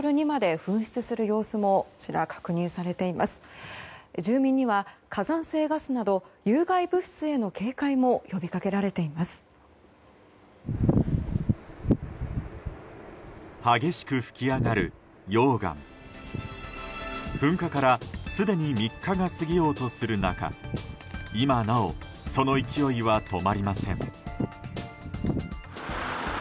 噴火からすでに３日が過ぎようとする中今なお、その勢いは止まりません。